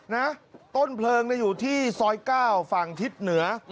นะต้นเพลิงอยู่ที่ซอย๙ฝั่งทิศเหนือ